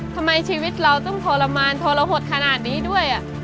ทำไมชีวิตเราต้องทรมานทรหดขนาดนี้ด้วย